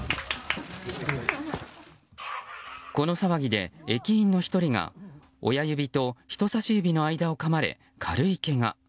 この騒ぎで駅員の１人が親指と人差し指の間をかまれ軽いけが。